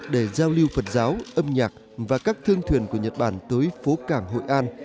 để giao lưu phật giáo âm nhạc và các thương thuyền của nhật bản tới phố cảng hội an